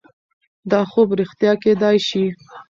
دا خوب رښتیا کیدای شي.